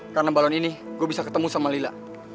karena balon ini gua bisa ketemu sama lila